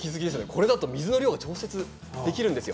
これだと水の量が調節できるんです。